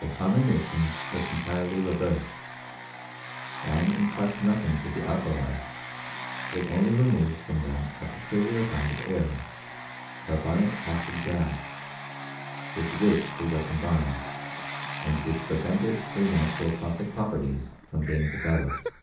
The ion notion was entirely reversed. Lime imparts ng to the alkalies; it only removes from them uliar kind of air (carbonic acid gas) with which were combined, and which prevented their na caustic properties from being developed.